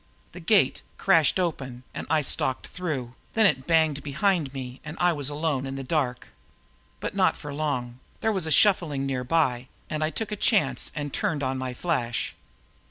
The gate crashed open and I stalked through; then it banged to behind me and I was alone in the dark. But not for long there was a shuffling nearby and I took a chance and turned on my flash.